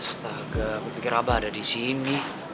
astaga gue pikir abah ada disini